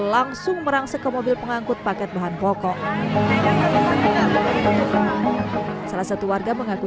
langsung merangsek ke mobil pengangkut paket bahan pokok salah satu warga mengaku